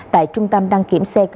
tại trung tâm đăng kiểm xét